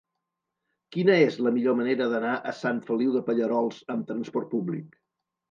Quina és la millor manera d'anar a Sant Feliu de Pallerols amb trasport públic?